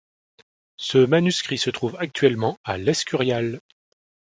Ce manuscrit se trouve actuellement à l'Escurial.